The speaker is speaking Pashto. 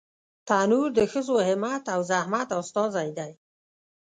تنور د ښځو همت او زحمت استازی دی